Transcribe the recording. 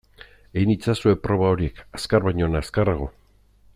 Egin itzazue proba horiek azkar baino azkarrago.